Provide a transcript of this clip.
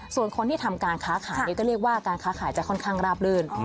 ส่วนคนที่ทำการค้าขายก็เรียกว่าการค้าขายจะค่อนข้างราบลื่น